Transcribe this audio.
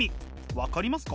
分かりますか？